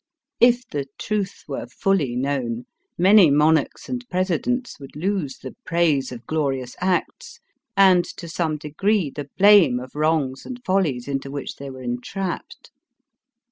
If the truth were fully known, many monarchs and presidents would lose the praise of glorious acts, and, to some degree, the blame of wrongs and follies into which they were entrapped.